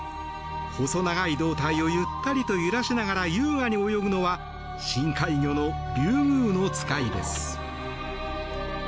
細長い胴体をゆったりと揺らしながら優雅に泳ぐのは深海魚のリュウグウノツカイです。